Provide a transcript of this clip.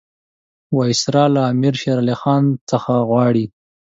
وایسرا له امیر شېر علي خان څخه غواړي.